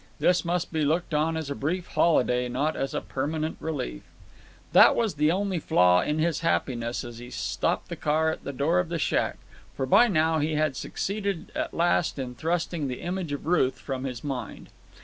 This must be looked on as a brief holiday, not as a permanent relief. That was the only flaw in his happiness as he stopped the car at the door of the shack, for by now he had succeeded at last in thrusting the image of Ruth from his mind.